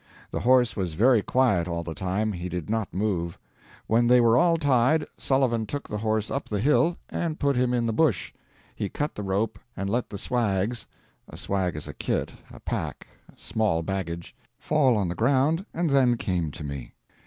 The horse was very quiet all the time, he did not move. When they were all tied, Sullivan took the horse up the hill, and put him in the bush; he cut the rope and let the swags [A "swag" is a kit, a pack, small baggage.] fall on the ground, and then came to me.